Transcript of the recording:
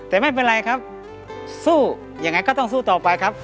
แต่ไม่เป็นไรครับสู้ยังไงก็ต้องสู้ต่อไปครับ